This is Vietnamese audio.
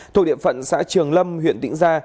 thuộc điện phận xã trường lâm huyện tĩnh gia